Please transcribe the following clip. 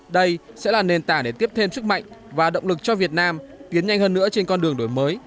đây sẽ là nền tảng để tiếp thêm sức mạnh và động lực cho việt nam tiến nhanh hơn nữa trên con đường đổi mới